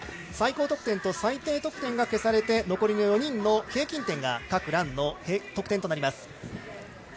最高得点と最低得点が消されて残りの４人の平均点が、各ランの得点となります。